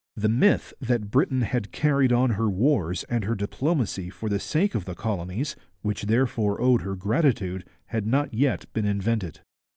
The myth that Britain had carried on her wars and her diplomacy for the sake of the colonies, which therefore owed her gratitude, had not yet been invented.